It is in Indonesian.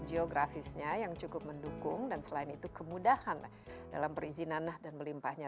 geografisnya yang cukup mendukung dan selain itu kemudahan dalam perizinan dan melimpahnya